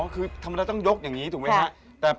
คือทำไมต้องยกอย่างนี้ถูกไหมครับ